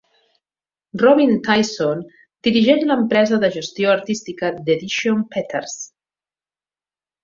Robin Tyson dirigeix l'empresa de gestió artística d'Edition Peters.